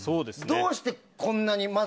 どうして、こんなに。